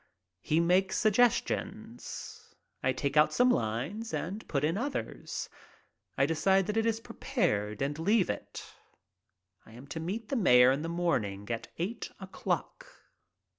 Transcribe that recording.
He makes suggestions. I take out some lines and put in others. I decide that it is prepared and leave it. I am to meet the mayor in the morning at eight o'clock.